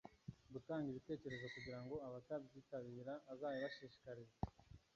gutanga ibitekerezo kugira ngo abatabyitabira azabibashishikarize